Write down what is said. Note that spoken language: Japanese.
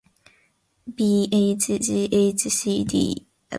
bhghcb